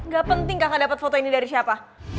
gak penting kakak dapat foto ini dari siapa